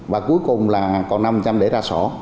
và cuối cùng là còn năm trăm linh tỷ đồng